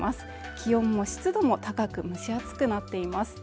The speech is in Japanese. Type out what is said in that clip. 気温も湿度も高く蒸し暑くなっています。